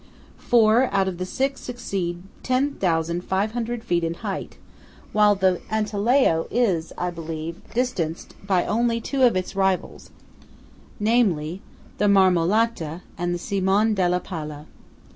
Four out of the six exceed 10,500 feet in height; while the Antelao 3 is, I believe, distanced by only two of its rivals, namely, the Marmolata and the Cimon della Pala.